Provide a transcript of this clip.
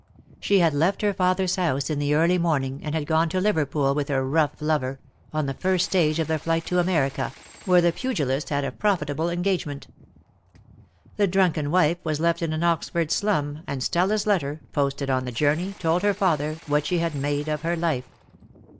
She had left her father's house in the early morning, and had gone to Liverpool with her rough lover, on the first stage of their flight to America, where the pugilist had a profitable engagement. The drunken wife was left in an Oxford slum, and Stella's letter, posted on the journey, told her father what she had made of her life.